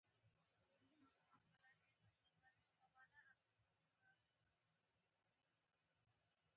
لاسونه د معرفت او مهربانۍ ژبه ده